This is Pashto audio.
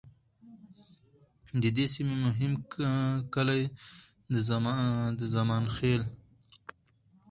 د دې سیمې مهم کلي د زمان خیل،